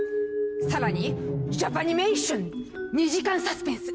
さらにジャパニメーション２時間サスペンス！